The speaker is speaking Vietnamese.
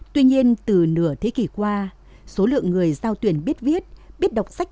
tuy nhiên từ nửa thế kỷ qua số lượng người giao tuyển biết viết biết đọc sách